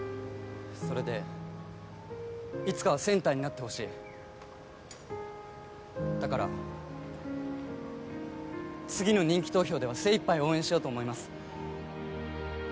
それでいつかはセンターになってほしいだから次の人気投票では精一杯応援しようと思います